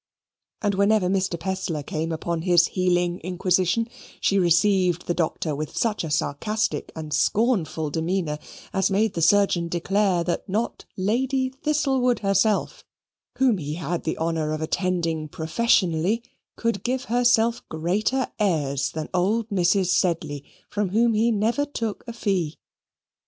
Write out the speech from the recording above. And whenever Mr. Pestler came upon his healing inquisition, she received the doctor with such a sarcastic and scornful demeanour, as made the surgeon declare that not Lady Thistlewood herself, whom he had the honour of attending professionally, could give herself greater airs than old Mrs. Sedley, from whom he never took a fee.